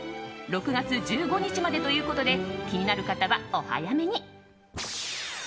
６月１５日までということで気になる方はお早めに。